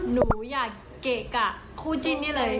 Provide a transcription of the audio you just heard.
หนูอยากเกะกะคู่จิ้นนี่เลย